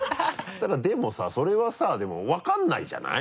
ただでもさそれはさ分からないじゃない？